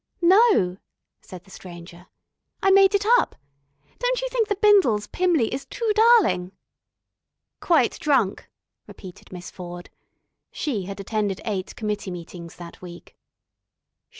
"No," said the Stranger. "I made it up. Don't you think 'The Bindles, Pymley,' is too darling?" "Quite drunk," repeated Miss Ford. She had attended eight committee meetings that week.